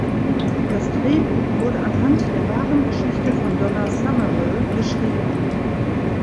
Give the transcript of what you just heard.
Das Drehbuch wurde anhand der wahren Geschichte von Donna Somerville geschrieben.